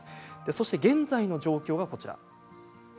そして、現在の状況がこちら。